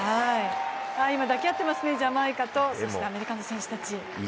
今抱き合っていますね、ジャマイカとアメリカの選手たち。